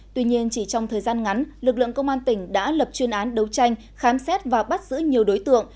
tuy nhiên chỉ trong thời gian ngắn lực lượng công an tỉnh đã lập chuyên án đấu tranh khám xét và bắt giữ nhiều đối tượng